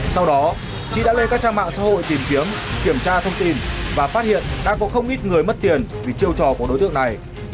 sau đó trí đã lên các trang mạng xã hội tìm kiếm kiểm tra thông tin và phát hiện đang có không ít người mất tiền vì chiêu trò của đối tượng này